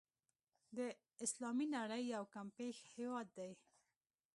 د اسلامي نړۍ یو کمپېښ هېواد دی.